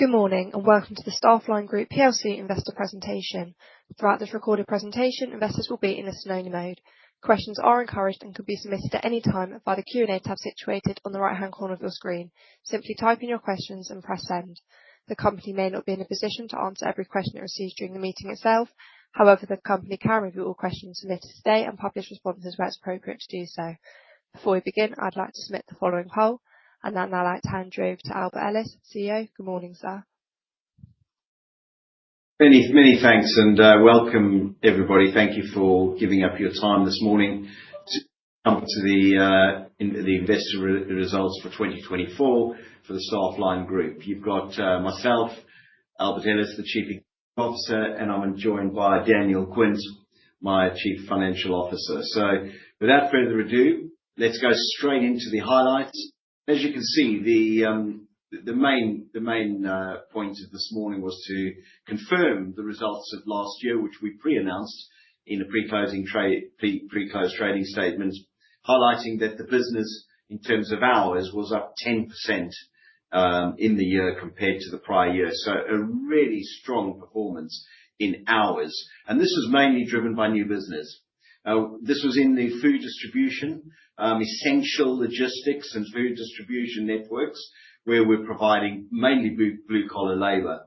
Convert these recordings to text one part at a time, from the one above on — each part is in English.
Good morning and welcome to the Staffline Group PLC Investor Presentation. Throughout this recorded presentation, investors will be in a scenario mode. Questions are encouraged and could be submitted at any time via the Q&A tab situated on the right-hand corner of your screen. Simply type in your questions and press send. The company may not be in a position to answer every question it receives during the meeting itself. However, the company can review all questions submitted today and publish responses where it's appropriate to do so. Before we begin, I'd like to submit the following poll, and then I'd like to hand you over to Albert Ellis, CEO. Good morning, sir. Many, many thanks, and welcome everybody. Thank you for giving up your time this morning to come to the investor results for 2024 for the Staffline Group. You have got myself, Albert Ellis, the Chief Executive Officer, and I am joined by Daniel Quint, my Chief Financial Officer. Without further ado, let's go straight into the highlights. As you can see, the main point of this morning was to confirm the results of last year, which we pre-announced in a pre-closing trading statement, highlighting that the business, in terms of hours, was up 10% in the year compared to the prior year. A really strong performance in hours, and this was mainly driven by new business. This was in the food distribution, essential logistics, and food distribution networks where we are providing mainly blue-collar labor.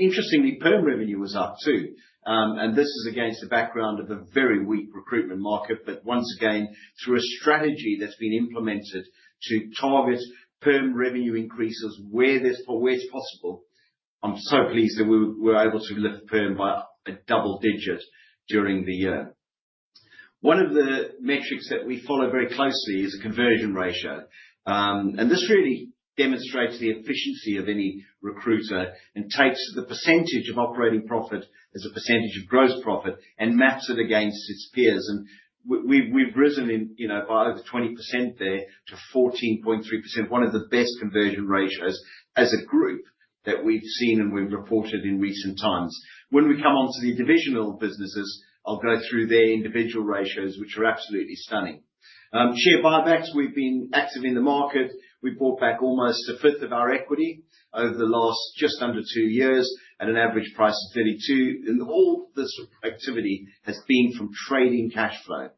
Interestingly, perm revenue was up too, and this is against the background of a very weak recruitment market. Once again, through a strategy that's been implemented to target perm revenue increases where it's possible, I'm so pleased that we were able to lift perm by a double digit during the year. One of the metrics that we follow very closely is a conversion ratio, and this really demonstrates the efficiency of any recruiter and takes the percentage of operating profit as a percentage of gross profit and maps it against its peers. We've risen by over 20% there to 14.3%, one of the best conversion ratios as a group that we've seen and we've reported in recent times. When we come on to the divisional businesses, I'll go through their individual ratios, which are absolutely stunning. Share buybacks, we've been active in the market. We bought back almost a fifth of our equity over the last just under two years at an average price of 32. And all this activity has been from trading cash flow.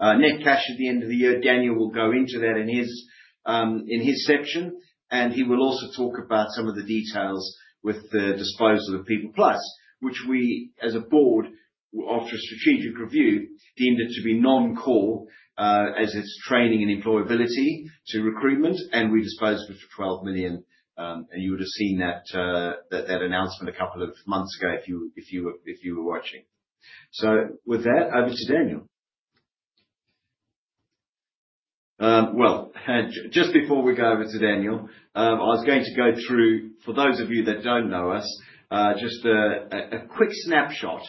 Net cash at the end of the year, Daniel will go into that in his section, and he will also talk about some of the details with the disposal of PeoplePlus, which we, as a board, after a strategic review, deemed it to be non-core as its training and employability to recruitment, and we disposed of 12 million. And you would have seen that announcement a couple of months ago if you were watching. With that, over to Daniel. Just before we go over to Daniel, I was going to go through, for those of you that do not know us, just a quick snapshot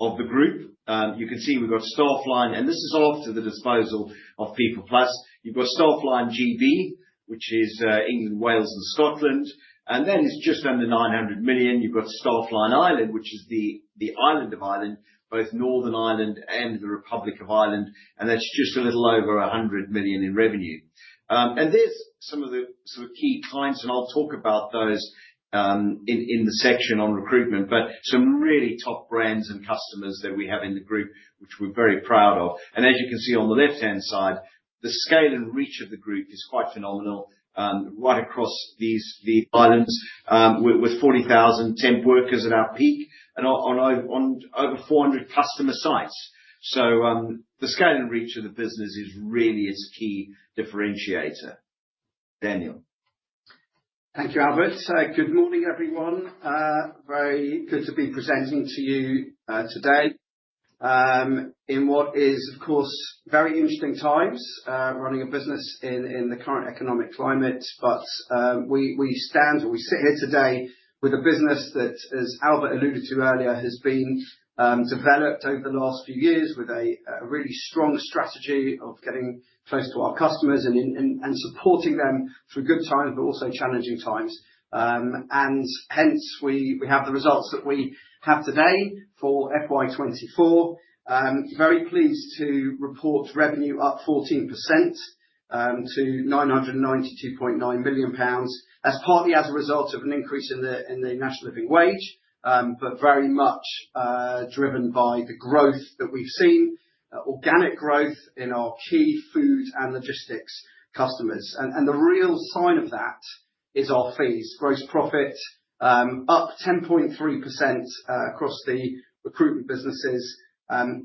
of the group. You can see we've got Staffline, and this is all to the disposal of PeoplePlus. You've got Staffline GB, which is England, Wales, and Scotland. It is just under 900 million. You've got Staffline Ireland, which is the island of Ireland, both Northern Ireland and the Republic of Ireland, and that's just a little over 100 million in revenue. There are some of the sort of key clients, and I'll talk about those in the section on recruitment, but some really top brands and customers that we have in the group, which we're very proud of. As you can see on the left-hand side, the scale and reach of the group is quite phenomenal, right across these islands with 40,000 temp workers at our peak and on over 400 customer sites. The scale and reach of the business is really its key differentiator. Daniel. Thank you, Albert. Good morning, everyone. Very good to be presenting to you today in what is, of course, very interesting times running a business in the current economic climate. We stand, or we sit here today with a business that, as Albert alluded to earlier, has been developed over the last few years with a really strong strategy of getting close to our customers and supporting them through good times, but also challenging times. Hence, we have the results that we have today for FY2024. Very pleased to report revenue up 14% to 992.9 million pounds, that's partly as a result of an increase in the National Living Wage, but very much driven by the growth that we've seen, organic growth in our key food and logistics customers. The real sign of that is our fees, gross profit up 10.3% across the recruitment businesses,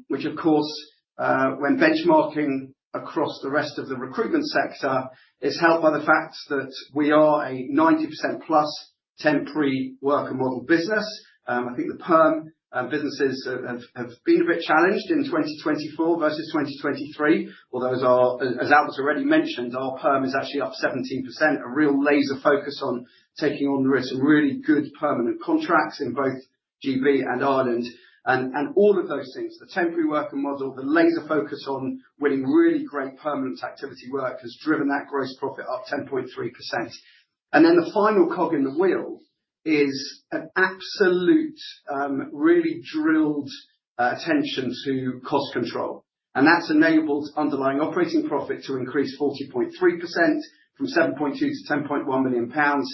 which, of course, when benchmarking across the rest of the recruitment sector, is helped by the fact that we are a 90% plus temp free worker model business. I think the perm businesses have been a bit challenged in 2024 versus 2023, although, as Albert's already mentioned, our perm is actually up 17%, a real laser focus on taking on the risk and really good permanent contracts in both GB and Ireland. All of those things, the temporary worker model, the laser focus on winning really great permanent activity work has driven that gross profit up 10.3%. The final cog in the wheel is an absolute, really drilled attention to cost control. That's enabled underlying operating profit to increase 40.3% from 7.2 million to 10.1 million pounds,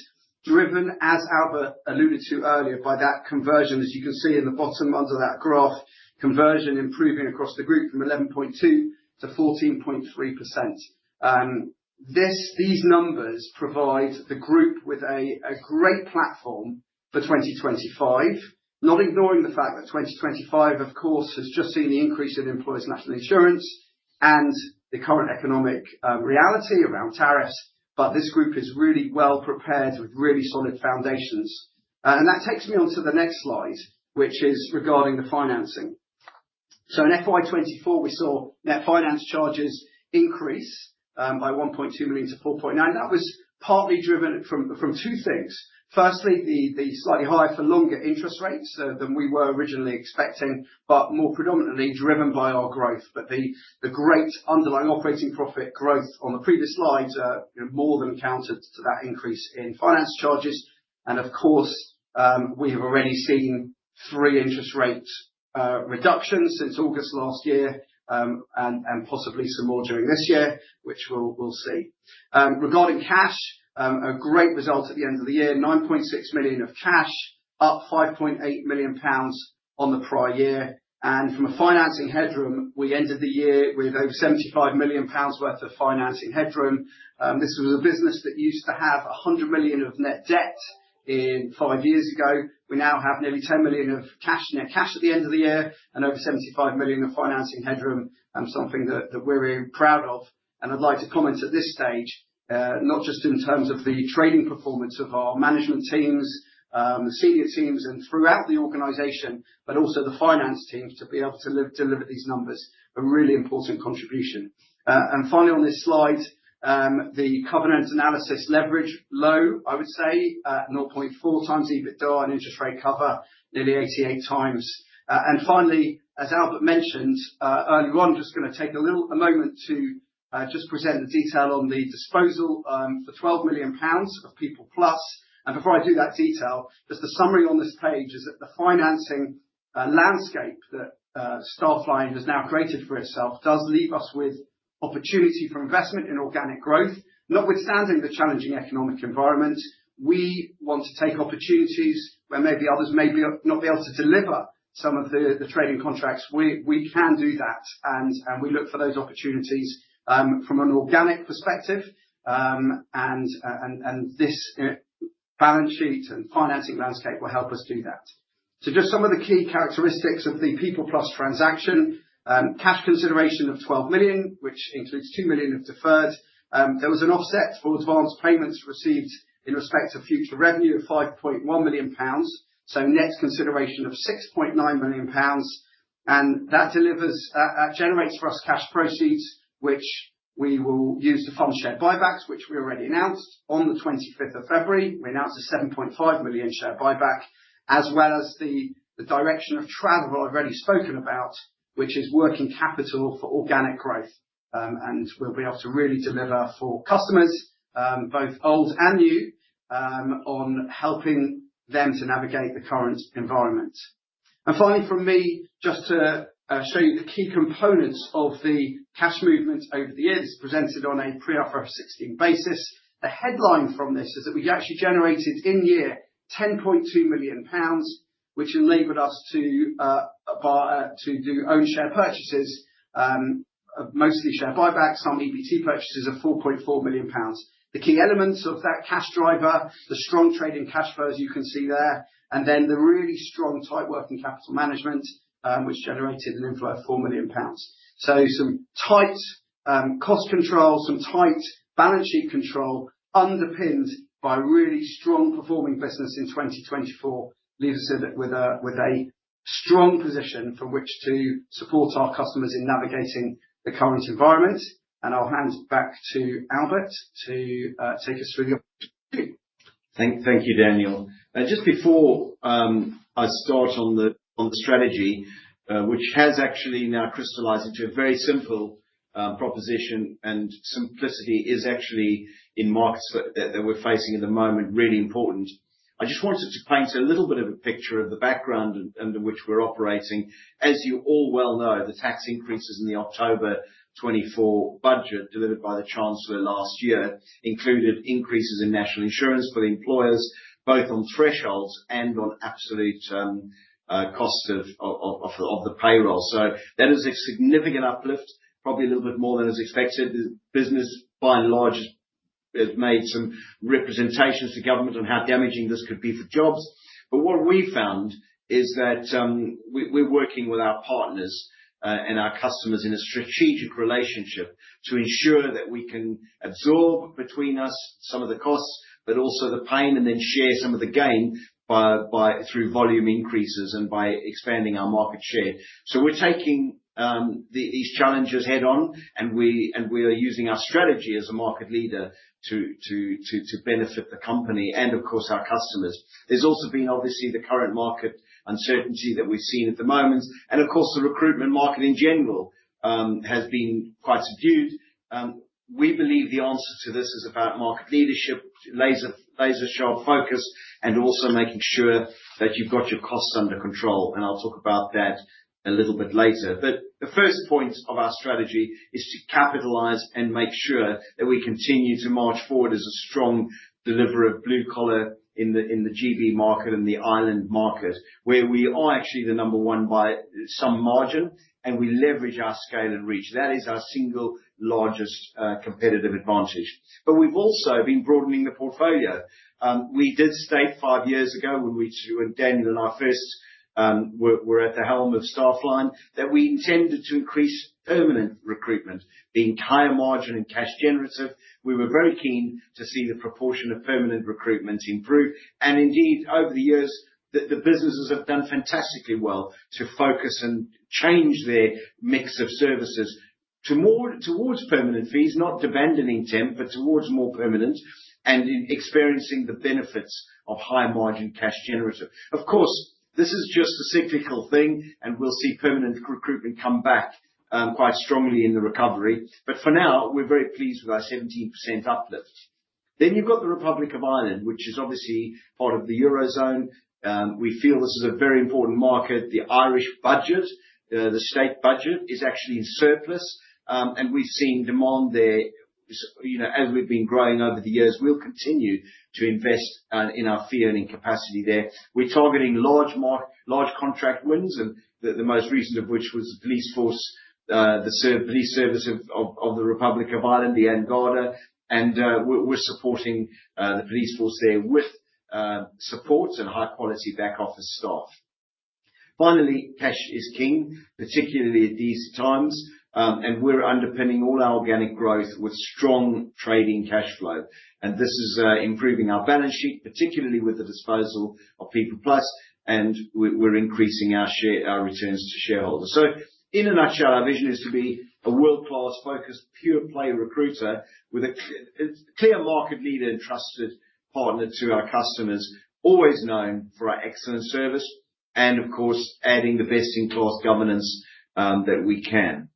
driven, as Albert alluded to earlier, by that conversion, as you can see in the bottom under that graph, conversion improving across the group from 11.2% to 14.3%. These numbers provide the group with a great platform for 2025, not ignoring the fact that 2025, of course, has just seen the increase in employees' National Insurance and the current economic reality around tariffs. This group is really well prepared with really solid foundations. That takes me on to the next slide, which is regarding the financing. In FY2024, we saw net finance charges increase by 1.2 million to 4.9 million. That was partly driven from two things. Firstly, the slightly higher for longer interest rates than we were originally expecting, but more predominantly driven by our growth. The great underlying operating profit growth on the previous slide more than accounted for that increase in finance charges. Of course, we have already seen three interest rate reductions since August last year and possibly some more during this year, which we'll see. Regarding cash, a great result at the end of the year, 9.6 million of cash, up 5.8 million pounds on the prior year. From a financing headroom perspective, we ended the year with over 75 million pounds worth of financing headroom. This was a business that used to have 100 million of net debt five years ago. We now have nearly 10 million of net cash at the end of the year, and over 75 million of financing headroom, something that we're very proud of. I would like to comment at this stage, not just in terms of the trading performance of our management teams, senior teams, and throughout the organization, but also the finance team to be able to deliver these numbers, a really important contribution. Finally, on this slide, the covenant analysis leverage low, I would say, 0.4 times EBITDA and interest rate cover nearly 88 times. Finally, as Albert mentioned early on, I am just going to take a little moment to just present the detail on the disposal for 12 million pounds of PeoplePlus. Before I do that detail, just the summary on this page is that the financing landscape that Staffline has now created for itself does leave us with opportunity for investment in organic growth. Notwithstanding the challenging economic environment, we want to take opportunities where maybe others may not be able to deliver some of the trading contracts. We can do that, and we look for those opportunities from an organic perspective. This balance sheet and financing landscape will help us do that. Just some of the key characteristics of the PeoplePlus transaction: cash consideration of 12 million, which includes 2 million of deferred. There was an offset for advanced payments received in respect of future revenue of 5.1 million pounds. Net consideration of 6.9 million pounds. That generates for us cash proceeds, which we will use to fund share buybacks, which we already announced on the 25th of February. We announced a 7.5 million share buyback, as well as the direction of travel I've already spoken about, which is working capital for organic growth. We will be able to really deliver for customers, both old and new, on helping them to navigate the current environment. Finally, from me, just to show you the key components of the cash movement over the years, presented on a pre-IFRS 16 basis. The headline from this is that we actually generated in year 10.2 million pounds, which enabled us to do own share purchases, mostly share buybacks, some EBT purchases of 4.4 million pounds. The key elements of that cash driver, the strong trading cash flows, you can see there, and then the really strong tight working capital management, which generated an inflow of 4 million pounds. Some tight cost control, some tight balance sheet control underpinned by really strong performing business in 2024 leaves us with a strong position from which to support our customers in navigating the current environment. I'll hand back to Albert to take us through the opportunity. Thank you, Daniel. Just before I start on the strategy, which has actually now crystallized into a very simple proposition, and simplicity is actually in markets that we're facing at the moment really important. I just wanted to paint a little bit of a picture of the background under which we're operating. As you all well know, the tax increases in the October 2024 budget delivered by the Chancellor last year included increases in National Insurance for the employers, both on thresholds and on absolute cost of the payroll. That is a significant uplift, probably a little bit more than is expected. Business by and large has made some representations to government on how damaging this could be for jobs. What we found is that we're working with our partners and our customers in a strategic relationship to ensure that we can absorb between us some of the costs, but also the pain and then share some of the gain through volume increases and by expanding our market share. We are taking these challenges head on, and we are using our strategy as a market leader to benefit the company and, of course, our customers. There has also been, obviously, the current market uncertainty that we've seen at the moment. Of course, the recruitment market in general has been quite subdued. We believe the answer to this is about market leadership, laser sharp focus, and also making sure that you've got your costs under control. I'll talk about that a little bit later. The first point of our strategy is to capitalize and make sure that we continue to march forward as a strong deliverer of blue-collar in the GB market and the Ireland market, where we are actually the number one by some margin, and we leverage our scale and reach. That is our single largest competitive advantage. We have also been broadening the portfolio. We did state five years ago when Daniel and I first were at the helm of Staffline that we intended to increase permanent recruitment, being higher margin and cash generative. We were very keen to see the proportion of permanent recruitment improve. Indeed, over the years, the businesses have done fantastically well to focus and change their mix of services towards permanent fees, not demanding temp, but towards more permanent and experiencing the benefits of high margin cash generative. Of course, this is just a cyclical thing, and we'll see permanent recruitment come back quite strongly in the recovery. For now, we're very pleased with our 17% uplift. Then you've got the Republic of Ireland, which is obviously part of the Eurozone. We feel this is a very important market. The Irish budget, the state budget, is actually in surplus, and we've seen demand there. As we've been growing over the years, we'll continue to invest in our fee earning capacity there. We're targeting large contract wins, and the most recent of which was the police force, the police service of the Republic of Ireland, An Garda Síochána. We're supporting the police force there with support and high-quality back office staff. Finally, cash is king, particularly at these times. We're underpinning all our organic growth with strong trading cash flow. This is improving our balance sheet, particularly with the disposal of PeoplePlus, and we're increasing our returns to shareholders. In a nutshell, our vision is to be a world-class focused pure-play recruiter with a clear market leader and trusted partner to our customers, always known for our excellent service, and, of course, adding the best-in-class governance that we can.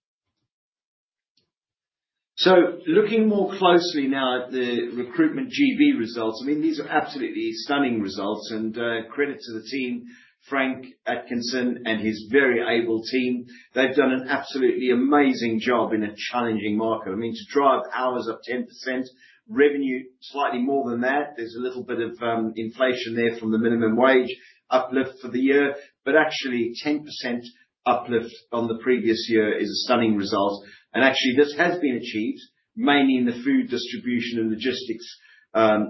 Looking more closely now at the Recruitment GB results, I mean, these are absolutely stunning results. Credit to the team, Frank Atkinson and his very able team. They've done an absolutely amazing job in a challenging market. I mean, to drive hours up 10%, revenue slightly more than that, there's a little bit of inflation there from the minimum wage uplift for the year. Actually, 10% uplift on the previous year is a stunning result. Actually, this has been achieved mainly in the food distribution and logistics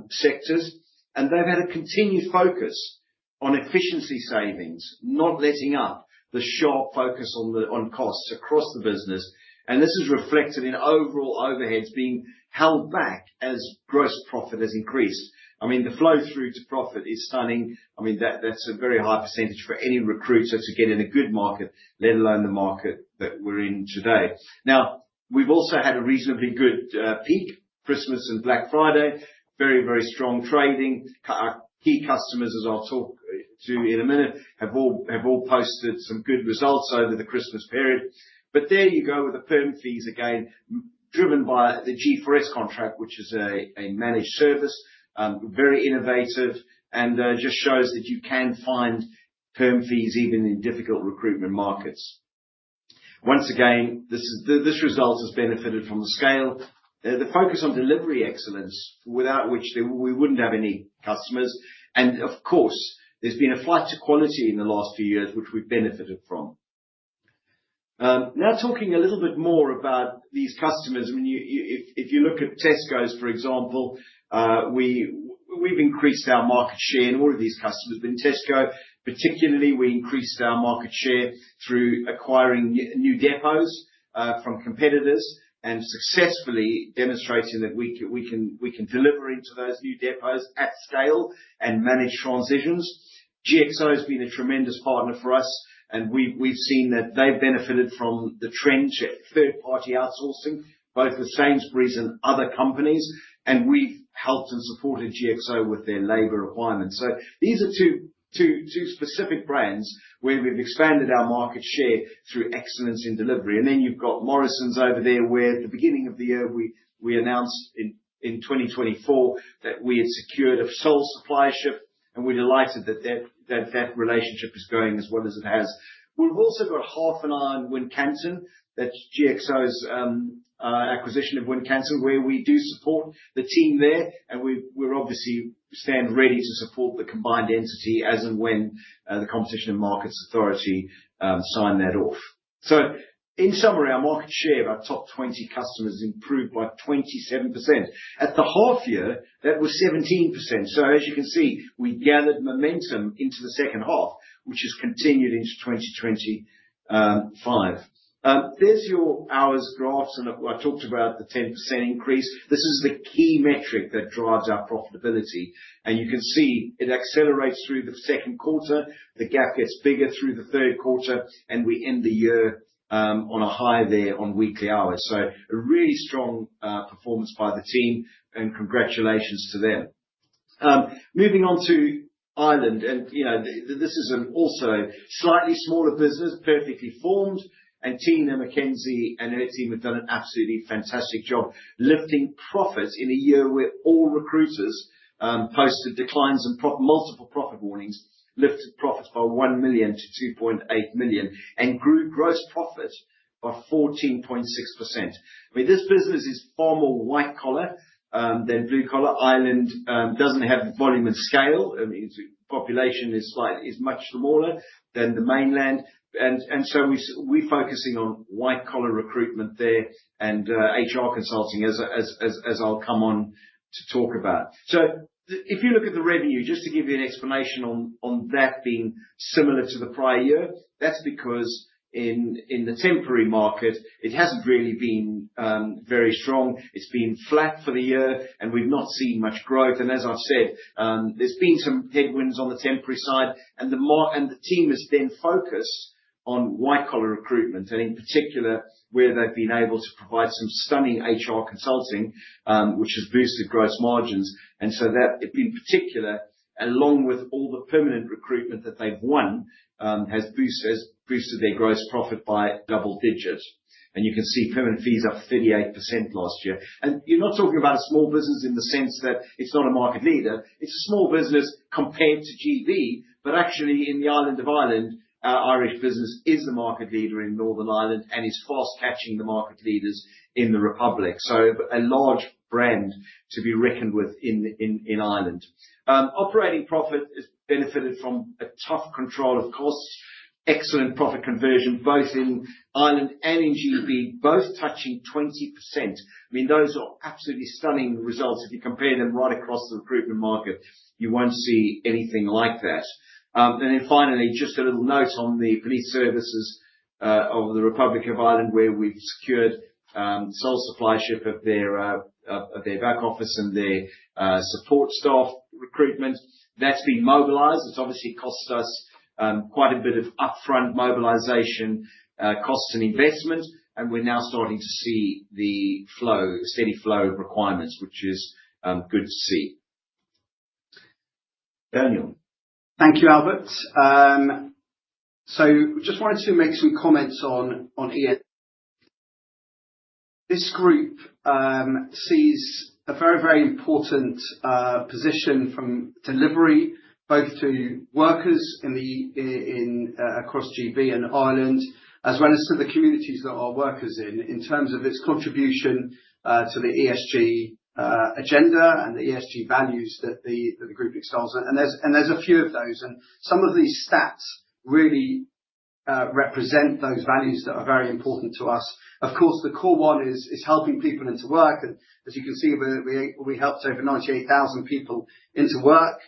sectors. They have had a continued focus on efficiency savings, not letting up the sharp focus on costs across the business. This is reflected in overall overheads being held back as gross profit has increased. I mean, the flow through to profit is stunning. I mean, that is a very high percentage for any recruiter to get in a good market, let alone the market that we are in today. We have also had a reasonably good peak, Christmas and Black Friday, very, very strong trading. Key customers, as I will talk to you in a minute, have all posted some good results over the Christmas period. There you go with the perm fees again, driven by the G4S contract, which is a managed service, very innovative, and just shows that you can find perm fees even in difficult recruitment markets. Once again, this result has benefited from the scale, the focus on delivery excellence, without which we would not have any customers. Of course, there has been a flight to quality in the last few years, which we have benefited from. Now, talking a little bit more about these customers, I mean, if you look at Tesco, for example, we have increased our market share in all of these customers. In Tesco, particularly, we increased our market share through acquiring new depots from competitors and successfully demonstrating that we can deliver into those new depots at scale and manage transitions. GXO has been a tremendous partner for us, and we've seen that they've benefited from the trend shift, third-party outsourcing, both with Sainsbury's and other companies. We've helped and supported GXO with their labor requirements. These are two specific brands where we've expanded our market share through excellence in delivery. You have Morrisons over there, where at the beginning of the year, we announced in 2024 that we had secured a sole supply ship, and we're delighted that that relationship is going as well as it has. We've also got half an eye on Wincanton, that's GXO's acquisition of Wincanton, where we do support the team there. We're obviously stand ready to support the combined entity as and when the Competition and Markets Authority sign that off. In summary, our market share of our top 20 customers improved by 27%. At the half year, that was 17%. As you can see, we gathered momentum into the second half, which has continued into 2025. There is your hours graphs, and I talked about the 10% increase. This is the key metric that drives our profitability. You can see it accelerates through the second quarter. The gap gets bigger through the third quarter, and we end the year on a high there on weekly hours. A really strong performance by the team, and congratulations to them. Moving on to Ireland, this is also a slightly smaller business, perfectly formed. Tina McKenzie and her team have done an absolutely fantastic job lifting profits in a year where all recruiters posted declines and multiple profit warnings, lifted profits by 1 million to 2.8 million, and grew gross profit by 14.6%. I mean, this business is far more white collar than blue collar. Ireland doesn't have volume and scale. I mean, its population is much smaller than the mainland. We are focusing on white collar recruitment there and HR consulting, as I'll come on to talk about. If you look at the revenue, just to give you an explanation on that being similar to the prior year, that's because in the temporary market, it hasn't really been very strong. It's been flat for the year, and we've not seen much growth. As I've said, there's been some headwinds on the temporary side, and the team has been focused on white collar recruitment, and in particular, where they've been able to provide some stunning HR consulting, which has boosted gross margins. That, in particular, along with all the permanent recruitment that they've won, has boosted their gross profit by double digits. You can see permanent fees up 38% last year. You're not talking about a small business in the sense that it's not a market leader. It's a small business compared to GB, but actually, in the island of Ireland, Irish business is the market leader in Northern Ireland and is fast catching the market leaders in the Republic. A large brand to be reckoned with in Ireland. Operating profit has benefited from a tough control of costs, excellent profit conversion, both in Ireland and in GB, both touching 20%. I mean, those are absolutely stunning results. If you compare them right across the recruitment market, you won't see anything like that. Finally, just a little note on the police services of the Republic of Ireland, where we've secured sole supplyship of their back office and their support staff recruitment. That's been mobilized. It's obviously cost us quite a bit of upfront mobilization costs and investment, and we're now starting to see the steady flow of requirements, which is good to see. Daniel. Thank you, Albert. I just wanted to make some comments on ESG. This group sees a very, very important position from delivery, both to workers across GB and Ireland, as well as to the communities that our workers are in, in terms of its contribution to the ESG agenda and the ESG values that the group excels. There are a few of those. Some of these stats really represent those values that are very important to us. Of course, the core one is helping people into work. As you can see, we helped over 98,000 people into work.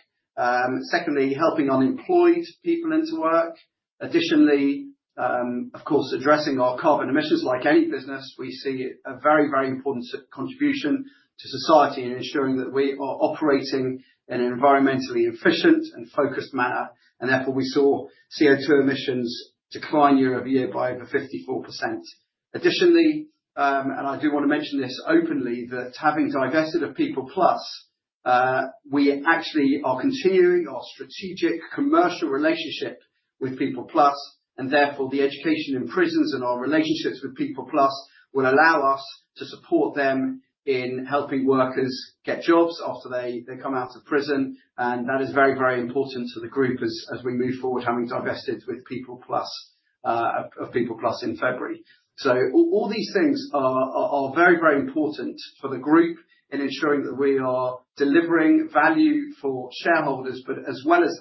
Secondly, helping unemployed people into work. Additionally, of course, addressing our carbon emissions. Like any business, we see a very, very important contribution to society in ensuring that we are operating in an environmentally efficient and focused manner. Therefore, we saw CO2 emissions decline year over year by over 54%. Additionally, and I do want to mention this openly, that having divested of PeoplePlus, we actually are continuing our strategic commercial relationship with PeoplePlus. Therefore, the education in prisons and our relationships with PeoplePlus will allow us to support them in helping workers get jobs after they come out of prison. That is very, very important to the group as we move forward, having divested of PeoplePlus in February. All these things are very, very important for the group in ensuring that we are delivering value for shareholders, as well as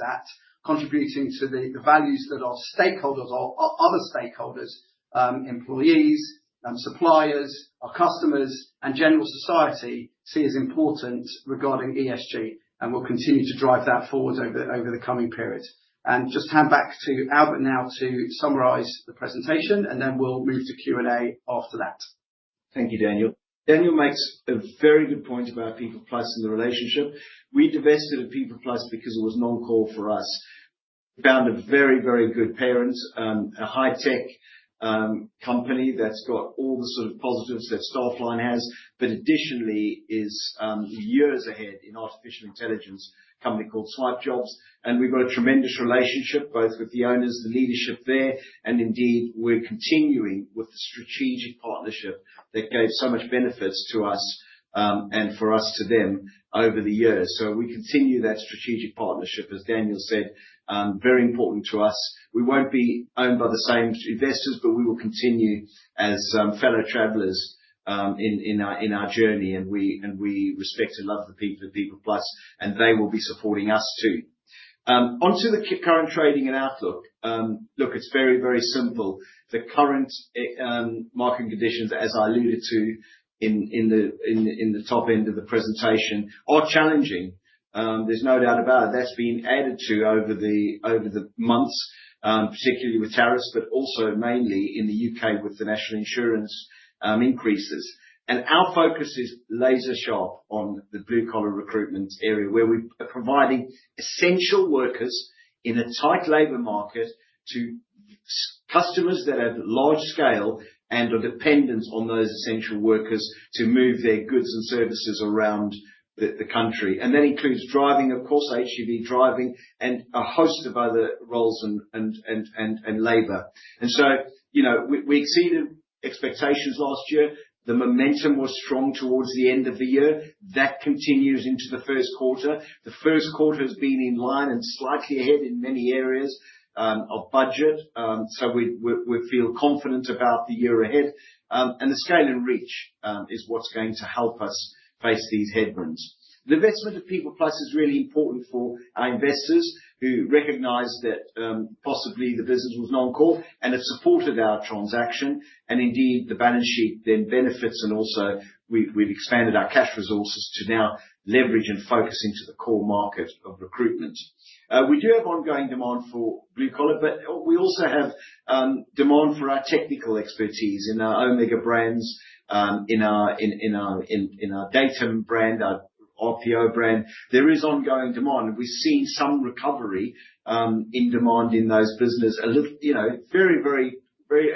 contributing to the values that our stakeholders, our other stakeholders, employees, suppliers, our customers, and general society see as important regarding ESG. We will continue to drive that forward over the coming period. I'll just hand back to Albert now to summarize the presentation, and then we'll move to Q&A after that. Thank you, Daniel. Daniel makes a very good point about PeoplePlus and the relationship. We divested of PeoplePlus because it was non-core for us. We found a very, very good parent, a high-tech company that's got all the sort of positives that Staffline has, but additionally is years ahead in artificial intelligence, a company called Swipejobs. We have got a tremendous relationship, both with the owners, the leadership there, and indeed, we are continuing with the strategic partnership that gave so much benefits to us and for us to them over the years. We continue that strategic partnership, as Daniel said, very important to us. We will not be owned by the same investors, but we will continue as fellow travelers in our journey. We respect and love the people of PeoplePlus, and they will be supporting us too. Onto the current trading and outlook. Look, it's very, very simple. The current market conditions, as I alluded to in the top end of the presentation, are challenging. There's no doubt about it. That has been added to over the months, particularly with tariffs, but also mainly in the U.K. with the National Insurance increases. Our focus is laser sharp on the blue-collar recruitment area, where we are providing essential workers in a tight labor market to customers that have large scale and are dependent on those essential workers to move their goods and services around the country. That includes driving, of course, HGV driving, and a host of other roles and labor. We exceeded expectations last year. The momentum was strong towards the end of the year. That continues into the first quarter. The first quarter has been in line and slightly ahead in many areas of budget. We feel confident about the year ahead. The scale and reach is what's going to help us face these headwinds. The investment of PeoplePlus is really important for our investors who recognize that possibly the business was non-core and have supported our transaction. Indeed, the balance sheet then benefits. Also, we've expanded our cash resources to now leverage and focus into the core market of recruitment. We do have ongoing demand for blue-collar, but we also have demand for our technical expertise in our Omega brands, in our Datum brand, our RPO brand. There is ongoing demand. We've seen some recovery in demand in those businesses. Very, very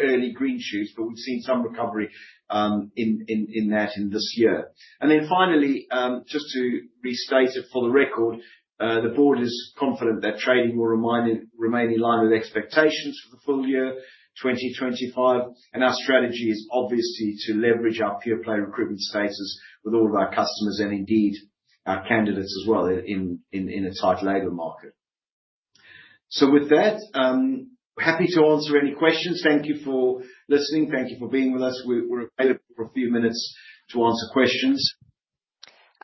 early green shoots, but we've seen some recovery in that in this year. Finally, just to restate it for the record, the board is confident that trading will remain in line with expectations for the full year, 2025. Our strategy is obviously to leverage our pure-play recruitment status with all of our customers and indeed our candidates as well in a tight labor market. With that, happy to answer any questions. Thank you for listening. Thank you for being with us. We're available for a few minutes to answer questions.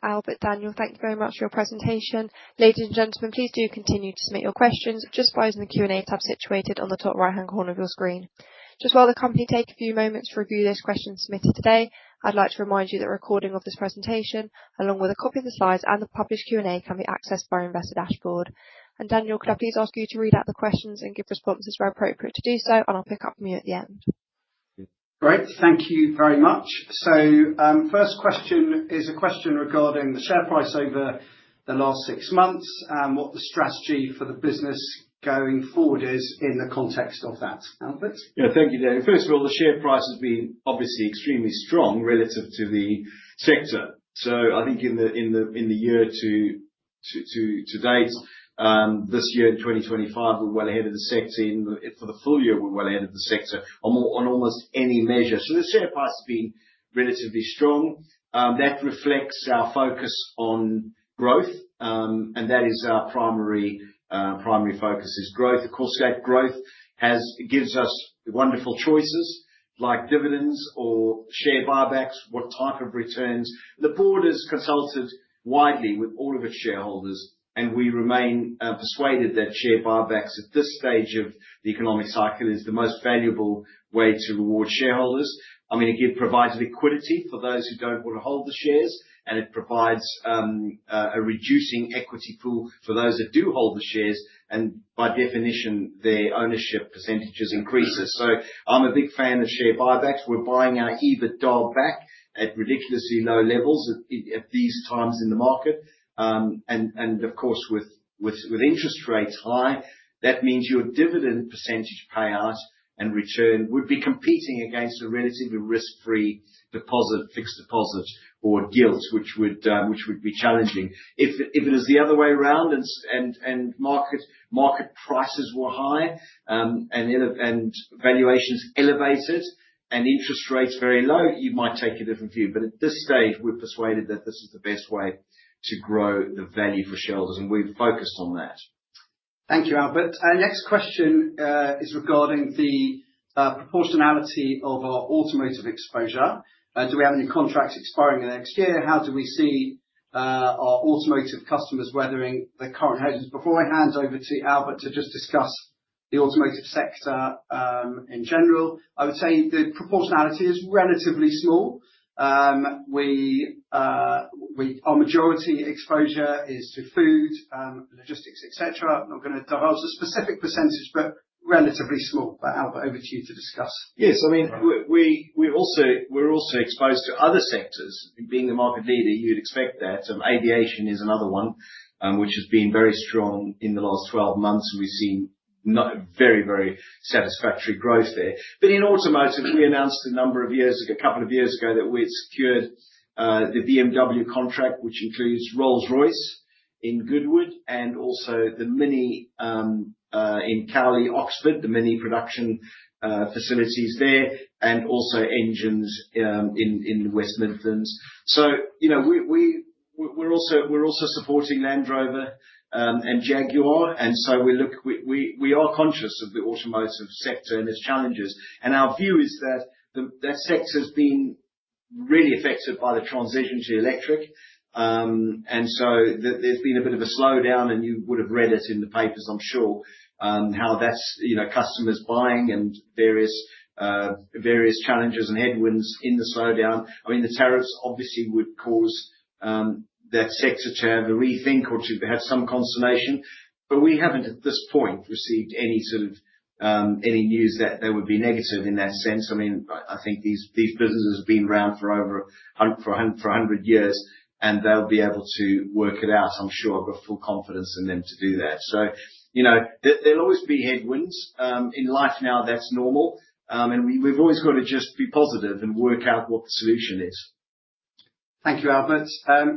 Albert, Daniel, thank you very much for your presentation. Ladies and gentlemen, please do continue to submit your questions just by using the Q&A tab situated on the top right-hand corner of your screen. Just while the company takes a few moments to review those questions submitted today, I'd like to remind you that the recording of this presentation, along with a copy of the slides and the published Q&A, can be accessed by our investor dashboard. Daniel, could I please ask you to read out the questions and give responses where appropriate to do so? I'll pick up from you at the end. Great. Thank you very much. The first question is a question regarding the share price over the last six months and what the strategy for the business going forward is in the context of that. Albert? Yeah, thank you, Daniel. First of all, the share price has been obviously extremely strong relative to the sector. I think in the year to date, this year in 2025, we're well ahead of the sector. For the full year, we're well ahead of the sector on almost any measure. The share price has been relatively strong. That reflects our focus on growth, and that is our primary focus is growth. Of course, that growth gives us wonderful choices like dividends or share buybacks, what type of returns. The board has consulted widely with all of its shareholders, and we remain persuaded that share buybacks at this stage of the economic cycle is the most valuable way to reward shareholders. I mean, it provides liquidity for those who don't want to hold the shares, and it provides a reducing equity pool for those that do hold the shares. By definition, their ownership percentages increases. I'm a big fan of share buybacks. We're buying our EBITDA back at ridiculously low levels at these times in the market. Of course, with interest rates high, that means your dividend % payout and return would be competing against a relatively risk-free deposit, fixed deposit or gilt, which would be challenging. If it is the other way around and market prices were high and valuations elevated and interest rates very low, you might take a different view. At this stage, we're persuaded that this is the best way to grow the value for shareholders, and we've focused on that. Thank you, Albert. Next question is regarding the proportionality of our automotive exposure. Do we have any contracts expiring in the next year? How do we see our automotive customers weathering the current hazards? Before I hand over to Albert to just discuss the automotive sector in general, I would say the proportionality is relatively small. Our majority exposure is to food, logistics, etc. I'm not going to divulge a specific percentage, but relatively small. Albert, over to you to discuss. Yes. I mean, we're also exposed to other sectors. Being the market leader, you'd expect that. Aviation is another one, which has been very strong in the last 12 months, and we've seen very, very satisfactory growth there. In automotive, we announced a couple of years ago that we had secured the BMW contract, which includes Rolls-Royce in Goodwood and also the Mini in Cowley, Oxford, the Mini production facilities there, and also engines in West Midlands. We are also supporting Land Rover and Jaguar. We are conscious of the automotive sector and its challenges. Our view is that that sector has been really affected by the transition to electric. There has been a bit of a slowdown, and you would have read it in the papers, I'm sure, how that's customers buying and various challenges and headwinds in the slowdown. I mean, the tariffs obviously would cause that sector to have a rethink or to have some consternation. We haven't, at this point, received any news that they would be negative in that sense. I mean, I think these businesses have been around for over 100 years, and they'll be able to work it out. I'm sure I've got full confidence in them to do that. There'll always be headwinds. In life now, that's normal. We've always got to just be positive and work out what the solution is. Thank you, Albert.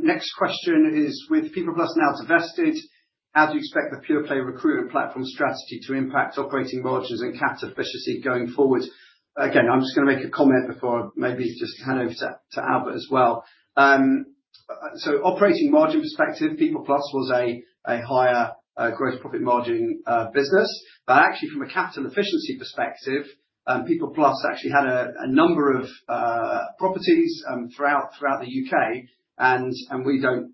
Next question is, with PeoplePlus now divested, how do you expect the pure play recruitment platform strategy to impact operating margins and capital efficiency going forward? Again, I'm just going to make a comment before I maybe just hand over to Albert as well. From an operating margin perspective, PeoplePlus was a higher gross profit margin business. Actually, from a capital efficiency perspective, PeoplePlus had a number of properties throughout the U.K. Obviously, we do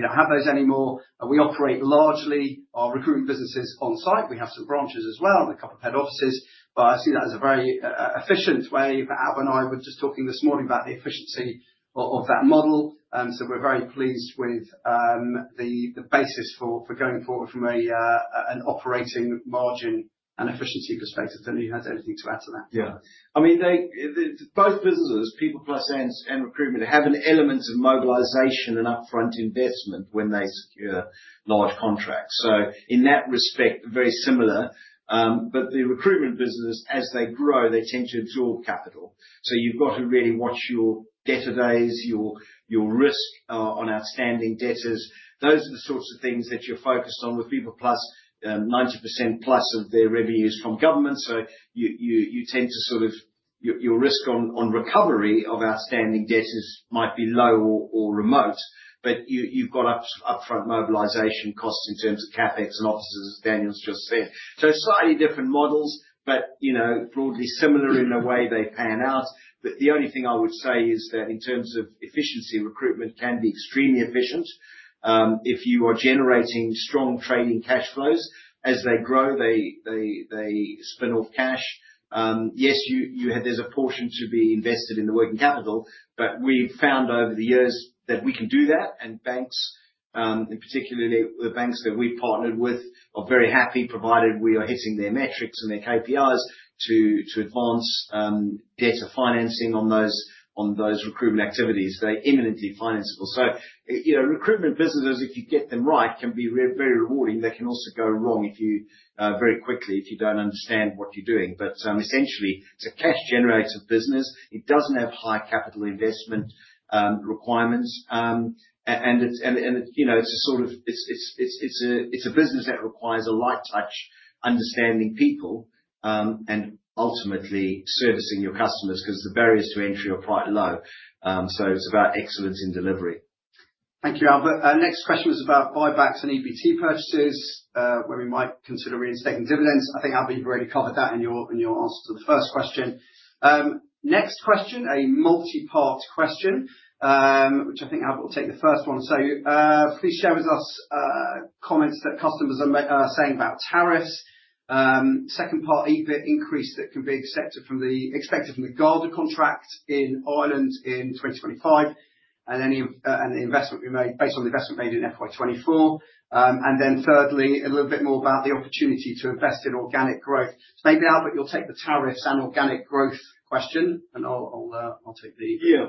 not have those anymore. We operate largely our recruitment businesses on site. We have some branches as well and a couple of head offices. I see that as a very efficient way. Albert and I were just talking this morning about the efficiency of that model. We are very pleased with the basis for going forward from an operating margin and efficiency perspective. I don't know if you had anything to add to that. Yeah. I mean, both businesses, PeoplePlus and recruitment, have an element of mobilization and upfront investment when they secure large contracts. In that respect, very similar. The recruitment business, as they grow, they tend to absorb capital. You have to really watch your debtor days, your risk on outstanding debtors. Those are the sorts of things that you're focused on with PeoplePlus. 90%+ of their revenues are from government. You tend to sort of, your risk on recovery of outstanding debtors might be low or remote, but you have upfront mobilization costs in terms of CapEx and offices, as Daniel's just said. Slightly different models, but broadly similar in the way they pan out. The only thing I would say is that in terms of efficiency, recruitment can be extremely efficient if you are generating strong trading cash flows. As they grow, they spin off cash. Yes, there's a portion to be invested in the working capital, but we've found over the years that we can do that. Banks, particularly the banks that we've partnered with, are very happy provided we are hitting their metrics and their KPIs to advance debtor financing on those recruitment activities. They're imminently financeable. Recruitment businesses, if you get them right, can be very rewarding. They can also go wrong very quickly if you don't understand what you're doing. Essentially, it's a cash-generative business. It doesn't have high capital investment requirements. It's a business that requires a light touch, understanding people, and ultimately servicing your customers because the barriers to entry are quite low. It's about excellence in delivery. Thank you, Albert. Next question was about buybacks and EBT purchases where we might consider reinstating dividends. I think Albert, you've already covered that in your answer to the first question. Next question, a multi-part question, which I think Albert will take the first one. Please share with us comments that customers are saying about tariffs. Second part, EBIT increase that can be expected from the Garda contract in Ireland in 2025 and the investment we made based on the investment made in FY24. Thirdly, a little bit more about the opportunity to invest in organic growth. Maybe Albert, you'll take the tariffs and organic growth question, and I'll take the. Yeah.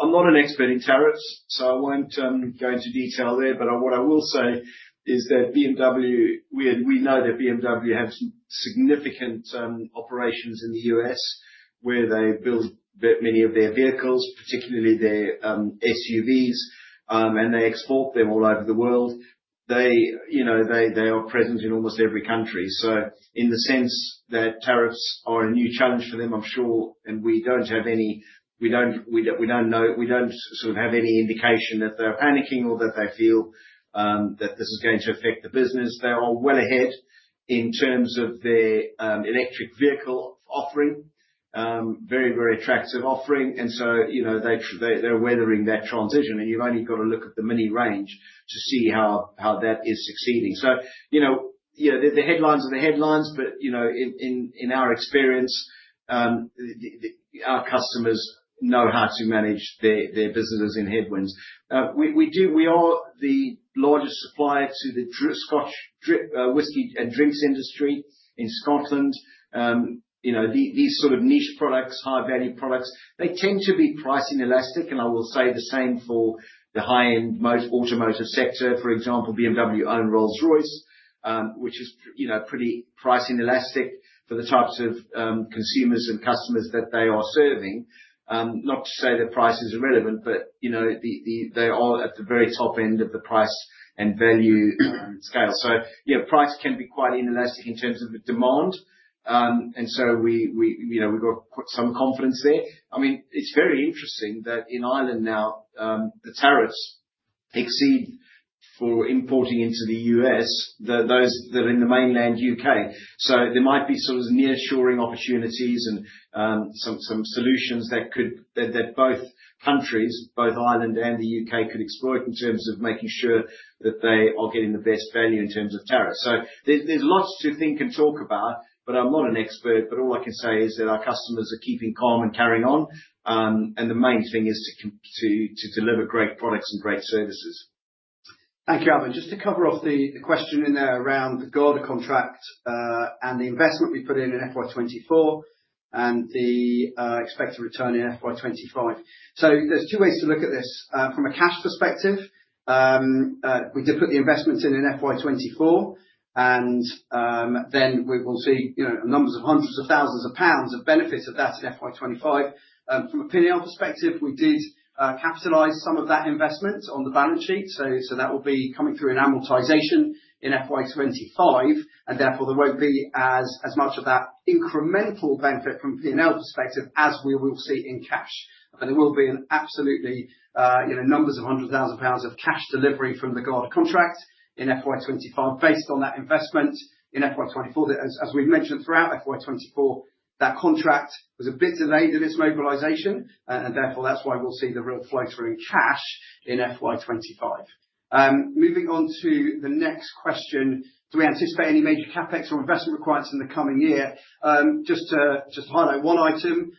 I'm not an expert in tariffs, so I won't go into detail there. What I will say is that we know that BMW have significant operations in the US where they build many of their vehicles, particularly their SUVs, and they export them all over the world. They are present in almost every country. In the sense that tariffs are a new challenge for them, I'm sure, and we don't have any, we don't sort of have any indication that they're panicking or that they feel that this is going to affect the business. They are well ahead in terms of their electric vehicle offering, very, very attractive offering. They are weathering that transition. You have only got to look at the mini range to see how that is succeeding. The headlines are the headlines, but in our experience, our customers know how to manage their businesses in headwinds. We are the largest supplier to the Scottish whiskey and drinks industry in Scotland. These sort of niche products, high-value products, they tend to be price inelastic. I will say the same for the high-end automotive sector. For example, BMW own Rolls-Royce, which is pretty price inelastic for the types of consumers and customers that they are serving. Not to say that price is irrelevant, but they are at the very top end of the price and value scale. Price can be quite inelastic in terms of demand. We have some confidence there. I mean, it's very interesting that in Ireland now, the tariffs exceed for importing into the U.S., those that are in the mainland U.K. There might be sort of nearshoring opportunities and some solutions that both countries, both Ireland and the U.K., could exploit in terms of making sure that they are getting the best value in terms of tariffs. There is lots to think and talk about, but I'm not an expert. All I can say is that our customers are keeping calm and carrying on. The main thing is to deliver great products and great services. Thank you, Albert. Just to cover off the question in there around the Garda contract and the investment we put in in FY 2024 and the expected return in FY 2025. There are two ways to look at this. From a cash perspective, we did put the investments in in FY 2024, and then we will see numbers of hundreds of thousands of GBP of benefit of that in FY 2025. From a P&L perspective, we did capitalize some of that investment on the balance sheet. That will be coming through in amortization in FY 2025. Therefore, there will not be as much of that incremental benefit from a P&L perspective as we will see in cash. There will be absolutely numbers of hundreds of thousands of GBP of cash delivery from the Garda contract in FY 2025 based on that investment in FY 2024. As we've mentioned throughout FY24, that contract was a bit delayed in its mobilization. Therefore, that's why we'll see the real floating in cash in FY25. Moving on to the next question, do we anticipate any major CapEx or investment requirements in the coming year? Just to highlight one item,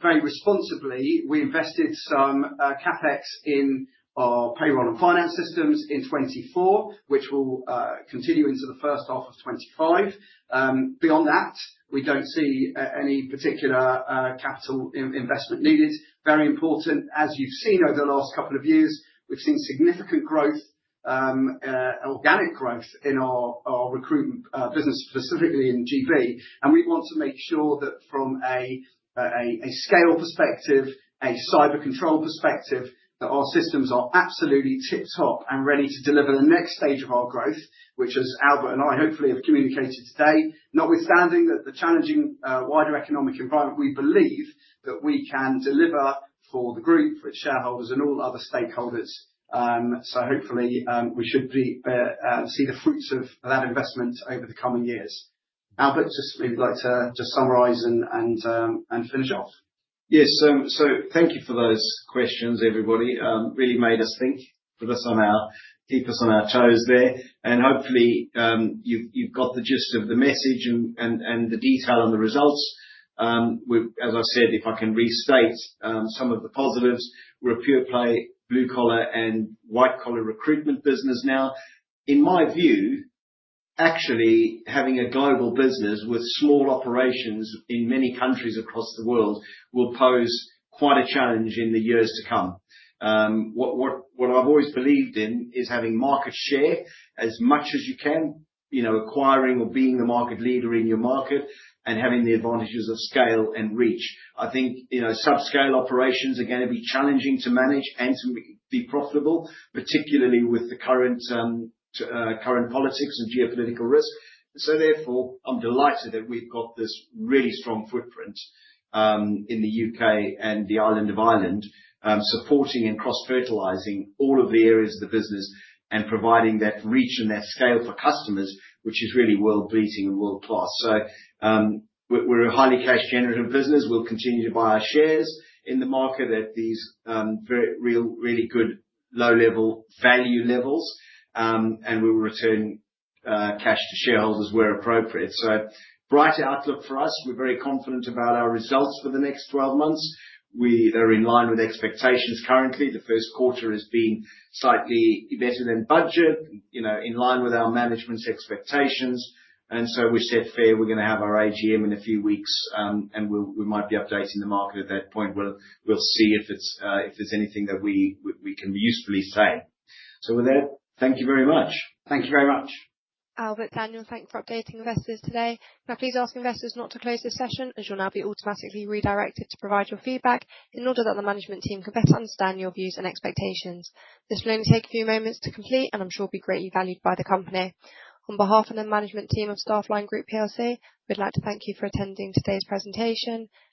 very responsibly, we invested some CapEx in our payroll and finance systems in 2024, which will continue into the first half of 2025. Beyond that, we don't see any particular capital investment needed. Very important, as you've seen over the last couple of years, we've seen significant growth, organic growth in our recruitment business, specifically in GB. We want to make sure that from a scale perspective, a cyber control perspective, that our systems are absolutely tip-top and ready to deliver the next stage of our growth, which, as Albert and I hopefully have communicated today, notwithstanding the challenging wider economic environment, we believe that we can deliver for the group, for its shareholders, and all other stakeholders. Hopefully, we should see the fruits of that investment over the coming years. Albert, just maybe like to just summarize and finish off. Yes. Thank you for those questions, everybody. Really made us think, put us on our toes there. Hopefully, you've got the gist of the message and the detail and the results. As I said, if I can restate some of the positives, we're a pure play, blue-collar, and white-collar recruitment business now. In my view, actually, having a global business with small operations in many countries across the world will pose quite a challenge in the years to come. What I've always believed in is having market share as much as you can, acquiring or being the market leader in your market and having the advantages of scale and reach. I think subscale operations are going to be challenging to manage and to be profitable, particularly with the current politics and geopolitical risk. Therefore, I'm delighted that we've got this really strong footprint in the U.K. and the island of Ireland, supporting and cross-fertilizing all of the areas of the business and providing that reach and that scale for customers, which is really world-beating and world-class. We're a highly cash-generative business. We'll continue to buy our shares in the market at these really good low-level value levels. We will return cash to shareholders where appropriate. Bright outlook for us. We're very confident about our results for the next 12 months. They're in line with expectations currently. The first quarter has been slightly better than budget, in line with our management's expectations. We're set fair. We're going to have our AGM in a few weeks, and we might be updating the market at that point. We'll see if there's anything that we can usefully say. Thank you very much. Thank you very much. Albert, Daniel, thank you for updating investors today. Now, please ask investors not to close the session as you'll now be automatically redirected to provide your feedback in order that the management team can better understand your views and expectations. This will only take a few moments to complete, and I'm sure it'll be greatly valued by the company. On behalf of the management team of Staffline Group PLC, we'd like to thank you for attending today's presentation.